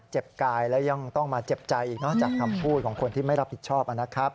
กายแล้วยังต้องมาเจ็บใจอีกจากคำพูดของคนที่ไม่รับผิดชอบนะครับ